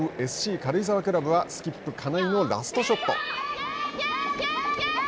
軽井沢クラブはスキップ金井のラストショット。